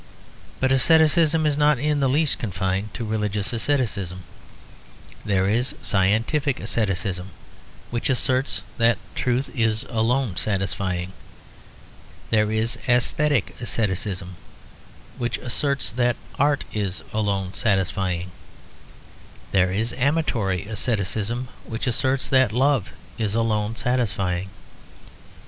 But asceticism is not in the least confined to religious asceticism: there is scientific asceticism which asserts that truth is alone satisfying: there is æsthetic asceticism which asserts that art is alone satisfying: there is amatory asceticism which asserts that love is alone satisfying.